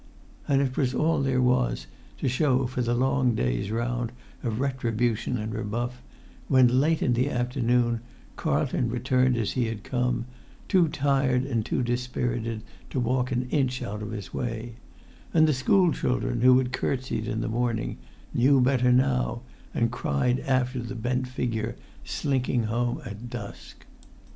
And it was all there was to show for the long day's round of retribution and rebuff when, late in the afternoon, Carlton returned as he had come, too tired and too dispirited to walk an inch out of his way; and the school children who had courtesied in the morning knew better now, and cried after the bent figure slinking home at dusk.